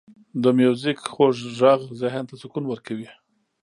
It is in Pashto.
• د میوزیک خوږ ږغ ذهن ته سکون ورکوي.